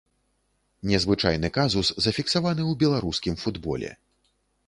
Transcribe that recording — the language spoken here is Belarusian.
Незвычайны казус зафіксаваны ў беларускім футболе.